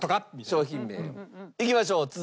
いきましょう。